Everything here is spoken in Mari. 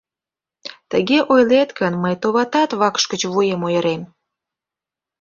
Тыге ойлет гын, мый, товатат, вакш гыч вуем ойырем!